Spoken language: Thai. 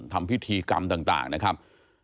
ทำพิธีกรรมต่างนะครับ